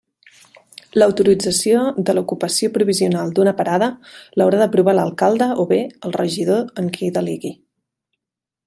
L'autorització de l'ocupació provisional d'una parada l'haurà d'aprovar l'alcalde o bé, el regidor en qui delegui.